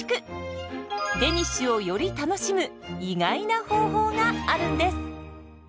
デニッシュをより楽しむ意外な方法があるんです。